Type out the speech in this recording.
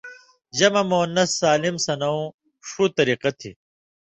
جمع مؤنث سالم سندئیں ݜُو طریۡقہ تھی